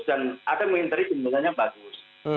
dan ada yang menteri kinerjanya bagus